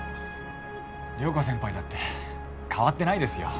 涼子先輩だって変わってないですよ。